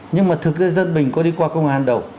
nhưng mà thực ra dân bình có đi qua công an đầu